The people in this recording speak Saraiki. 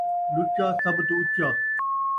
لُچا سب توں اُچا